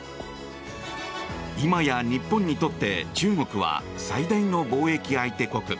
今や、日本にとって中国は最大の貿易相手国。